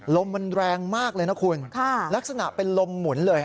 ลมมันแรงมากเลยนะคุณลักษณะเป็นลมหมุนเลย